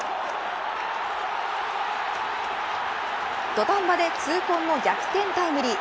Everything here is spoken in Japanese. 土壇場で痛恨の逆転タイムリー。